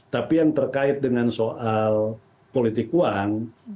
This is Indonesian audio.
tapi yang terkait dengan soal politik uang